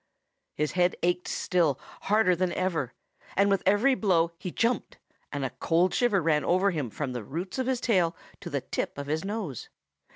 His head ached still, harder than ever. And with every blow he jumped, and a cold shiver ran over him from the roots of his tail to the tip of his nose.